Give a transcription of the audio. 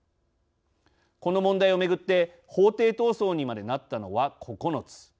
この問題をめぐって法廷闘争にまでなったのは９つ。